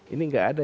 ini tidak ada